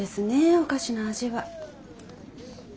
お菓子の味は。